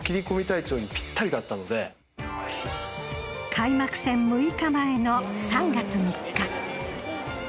開幕戦６日前の３月３日。